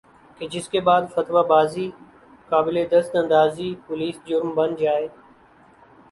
کہ جس کے بعد فتویٰ بازی قابلِ دست اندازیِ پولیس جرم بن جائے